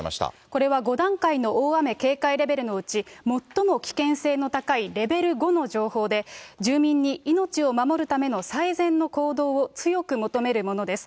これは５段階の警戒レベルのうち、最も危険性の高いレベル５の情報で、住民に命を守るための最善の行動を強く求めるものです。